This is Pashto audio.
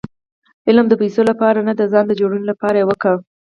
علم د پېسو له پاره نه؛ د ځان جوړوني له پاره ئې وکئ!